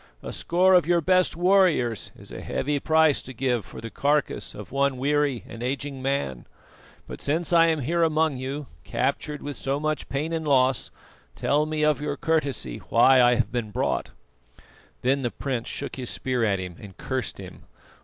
A score of your best warriors is a heavy price to give for the carcase of one weary and aging man. But since I am here among you, captured with so much pain and loss, tell me of your courtesy why I have been brought." Then the prince shook his spear at him and cursed him.